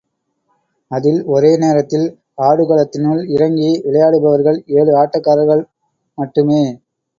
அதில் ஒரே நேரத்தில் ஆடுகளத்தினுள் இறங்கி விளையாடுபவர்கள் ஏழு ஆட்டக்காரர்கள மட்டுமே.